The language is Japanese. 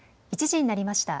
１時になりました。